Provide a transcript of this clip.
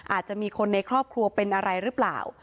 อาจจะมีคนในครอบครัวเป็นอะไรหรือเปล่า